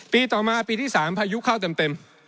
ต่อมาปีที่๓พายุเข้าเต็ม